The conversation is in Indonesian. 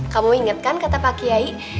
kamu ingat kan kata pak kiai